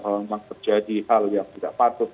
kalau memang terjadi hal yang tidak patut